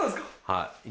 はい？